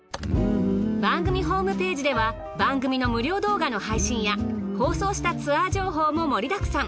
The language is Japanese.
番組ホームページでは番組の無料動画の配信や放送したツアー情報も盛りだくさん。